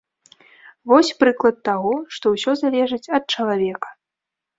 Вось прыклад таго, што ўсё залежыць ад чалавека.